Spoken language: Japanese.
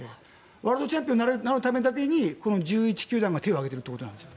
ワールドチャンピオンになるためだけに１１球団が手を挙げているということです。